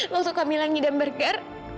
waktu kamila ngidam burger